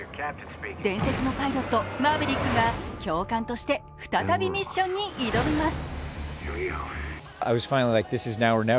伝説のパイロット、マーベリックが教官として再びミッションに挑みます。